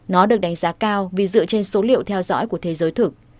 nó được đánh giá cao vì dựa trên số liệu theo dõi của thế giới thực